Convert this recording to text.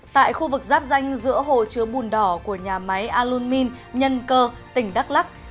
tại khu vực giáp danh giữa hồ chứa bùn đỏ của nhà máy alumin nhân cơ tỉnh đắk lắc